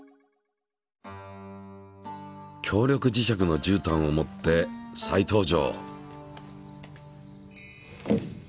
強力磁石のじゅうたんを持って再登場。